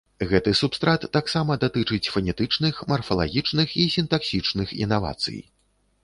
Гэты субстрат таксама датычыць фанетычных, марфалагічных і сінтаксічных інавацый.